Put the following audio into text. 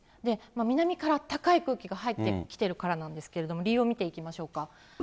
南からあったかい空気が入ってきてるからなんですけれども、理由を見ていきましょうか。